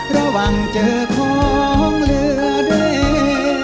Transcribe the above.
ระวังเจอของเรือใด